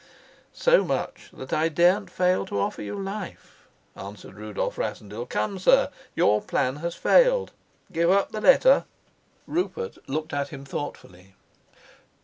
"So much, that I daren't fail to offer you life," answered Rudolf Rassendyll. "Come, sir, your plan has failed: give up the letter." Rupert looked at him thoughtfully.